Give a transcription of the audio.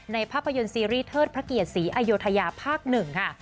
ภาพยนตร์ซีรีส์เทิดพระเกียรติศรีอยุธยาภาค๑ค่ะ